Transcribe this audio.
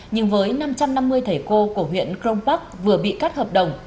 nhưng với năm trăm năm mươi thầy cô của huyện crong park vừa bị cắt hợp đồng